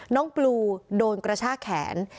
น้องปลูโดนกระชากแขน